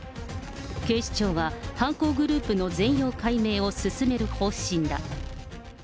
警視庁は、犯行グループの全容解明を進める方針だ。